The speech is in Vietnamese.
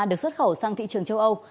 được xuất khẩu sang thị trường châu âu